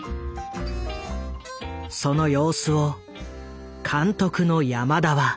その様子を監督の山田は。